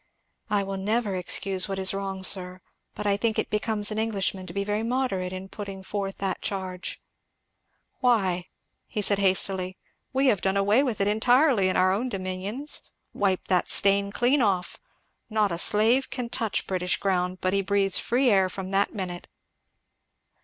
"I will never excuse what is wrong, sir; but I think it becomes an Englishman to be very moderate in putting forth that charge." "Why?" said he hastily; "we have done away with it entirely in our own dominions; wiped that stain clean off. Not a slave can touch British ground but he breathes free air from that minute."